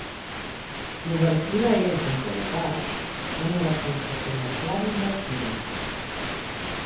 L'obertura és, en realitat, una defensa semieslava invertida.